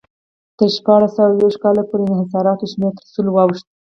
تر شپاړس سوه یو ویشت کال پورې انحصاراتو شمېر تر سلو واوښت.